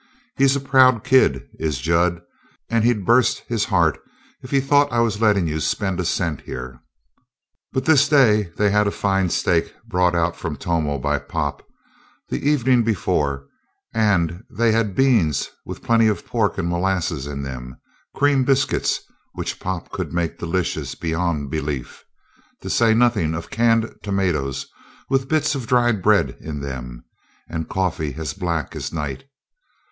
He's a proud kid, is Jud, and he'd bust his heart if he thought I was lettin' you spend a cent here." But this day they had a fine steak, brought out from Tomo by Pop the evening before, and they had beans with plenty of pork and molasses in them, cream biscuits, which Pop could make delicious beyond belief, to say nothing of canned tomatoes with bits of dried bread in them, and coffee as black as night.